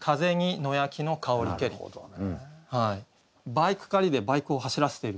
「バイク駆り」でバイクを走らせていると。